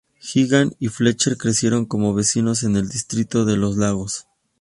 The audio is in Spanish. Higham y Fletcher crecieron como vecinos en el Distrito de los Lagos.